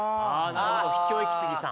なるほど秘境イキスギさん